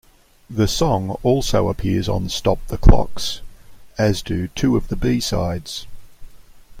The song also appears on "Stop the Clocks", as do two of the B-sides.